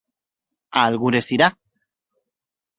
A algures irá.